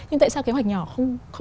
nhưng tại sao cái hoạch nhỏ